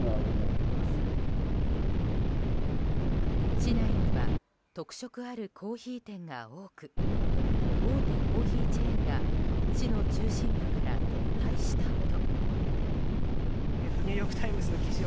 市内には特色あるコーヒー店が多く大手コーヒーチェーンが市の中心部から撤退したほど。